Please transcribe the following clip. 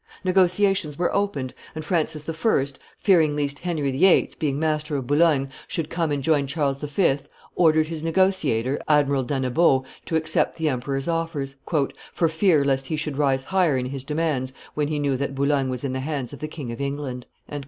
Negotiations were opened; and Francis I., fearing least Henry VIII., being master of Boulogne, should come and join Charles V., ordered his negotiator, Admiral d'Annebaut, to accept the emperor's offers, "for fear lest he should rise higher in his demands when he knew that Boulogne was in the hands of the King of England."